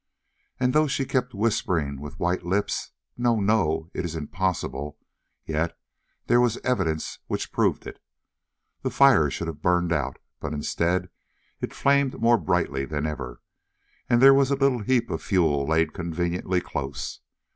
And though she kept whispering, with white lips, "No, no; it is impossible!" yet there was evidence which proved it. The fire should have burned out, but instead it flamed more brightly than ever, and there was a little heap of fuel laid conveniently close.